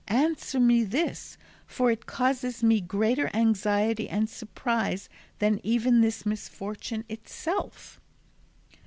Answer me this; for it causes me greater anxiety and surprise than even this misfortune itself."